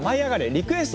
リクエスト